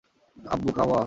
আব্বু, কাহওয়া।